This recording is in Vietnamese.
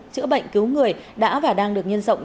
chữa bệnh cứu người đã và đang được nhân rộng